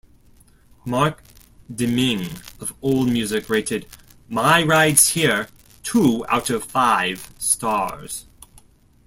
Mark Deming of AllMusic rated "My Ride's Here" two out of five stars.